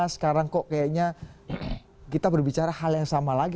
sekarang kok kayaknya kita berbicara hal yang sama lagi